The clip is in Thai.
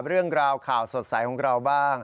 เรื่องราวข่าวสดใสของเราบ้าง